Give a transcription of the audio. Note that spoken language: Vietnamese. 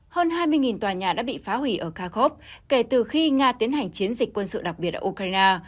hơn hai mươi tòa nhà đã bị phá hủy ở cagov kể từ khi nga tiến hành chiến dịch quân sự đặc biệt ở ukraine